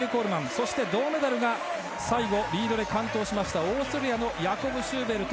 そして銅メダルが最後、リードで完登したオーストリアのヤコブ・シューベルト。